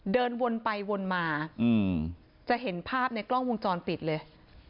เดินวนไปวนมาจะเห็นภาพในกล้องวงจรปิดเลย